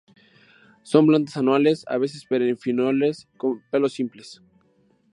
Son plantas anuales, a veces perennifolias, con pelos simples.